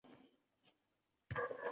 Endi oddiy haqiqatlarni sanab o‘tamiz.